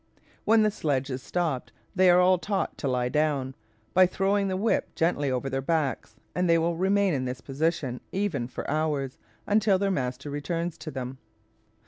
When the sledge is stopped they are all taught to lie down, by throwing the whip gently over their backs, and they will remain in this position even for hours, until their master returns to them.